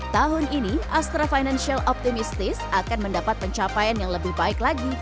tahun ini astra financial optimistis akan mendapat pencapaian yang lebih baik lagi